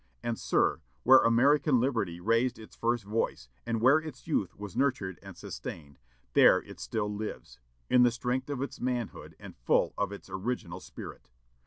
And, sir, where American liberty raised its first voice, and where its youth was nurtured and sustained, there it still lives, in the strength of its manhood and full of its original spirit.